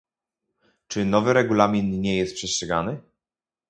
Czy nowy Regulamin nie jest przestrzegany?